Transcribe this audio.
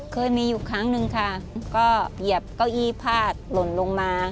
เคยมีอยู่ครั้งหนึ่งค่ะก็เหยียบเก้าอี้พาดหล่นลงมา